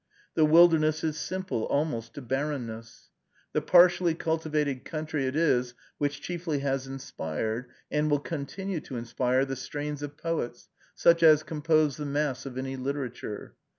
The wilderness is simple, almost to barrenness. The partially cultivated country it is which chiefly has inspired, and will continue to inspire, the strains of poets, such as compose the mass of any literature.